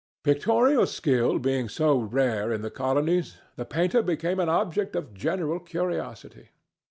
Pictorial skill being so rare in the colonies, the painter became an object of general curiosity.